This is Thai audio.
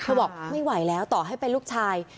บอกไม่ไหวแล้วต่อให้เป็นลูกชาย